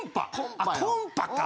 コンパか。